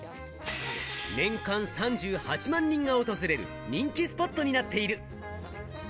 年間３８万人が訪れる人気スポットになっている。